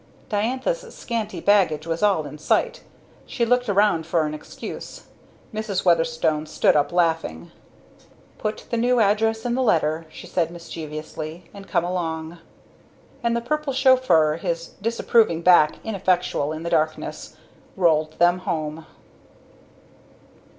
Diantha's scanty baggage was all in sight. She looked around for an excuse. Mrs. Weatherstone stood up laughing. "Put the new address in the letter," she said, mischievously, "and come along!" And the purple chauffeur, his disapproving back ineffectual in the darkness, rolled them home.